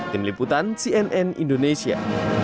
peneliputan cnn indonesia